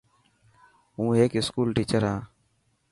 هون هيڪ اسڪول ٽيڇر هان.